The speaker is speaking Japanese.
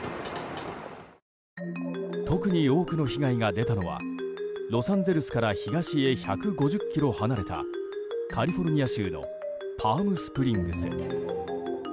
特に多くの被害が出たのはロサンゼルスから東へ１５０ｋｍ離れたカリフォルニア州のパームスプリングス。